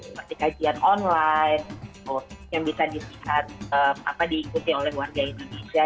seperti kajian online yang bisa diikuti oleh warga indonesia